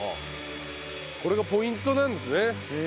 これがポイントなんですね。